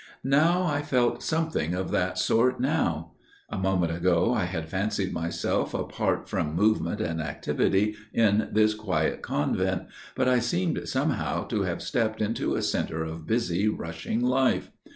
Now I felt something of that sort now. A moment ago I had fancied myself apart from movement and activity in this quiet convent; but I seemed somehow to have stepped into a centre of busy, rushing life.